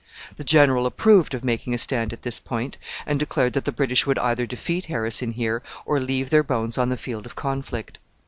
The general approved of making a stand at this point, and declared that the British would either defeat Harrison here or leave their bones on the field of conflict.